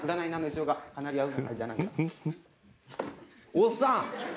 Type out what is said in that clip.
「おっさん！」